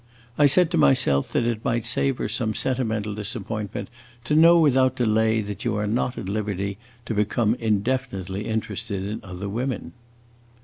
I said to myself that it might save her some sentimental disappointment to know without delay that you are not at liberty to become indefinitely interested in other women."